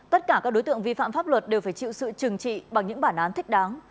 tất cả các đối tượng vi phạm pháp luật đều phải chịu sự trừng trị bằng những bản án thích đáng